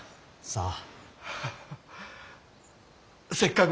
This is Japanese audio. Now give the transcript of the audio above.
さあ。